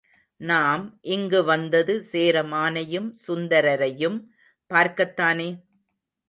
நாம் இங்கு வந்தது சேரமானையும் சுந்தரரையும் பார்க்கத்தானே?